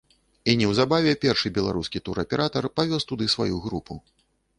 І неўзабаве першы беларускі тураператар павёз туды сваю групу.